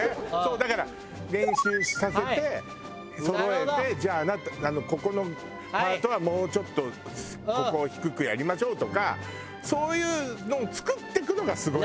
だから練習させてそろえてじゃああなたここのパートはもうちょっとここを低くやりましょうとかそういうのを作っていくのがすごい。